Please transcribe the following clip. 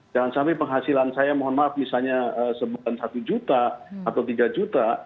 jangan sampai penghasilan saya mohon maaf misalnya sebulan satu juta atau tiga juta